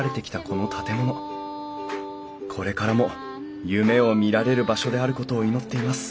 これからも夢を見られる場所であることを祈っています